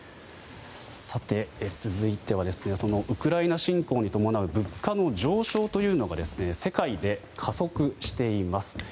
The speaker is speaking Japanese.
続いてはそのウクライナ侵攻に伴う物価の上昇というのが世界で加速しています。